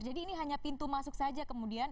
jadi ini hanya pintu masuk saja kemudian